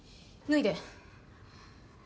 脱いで！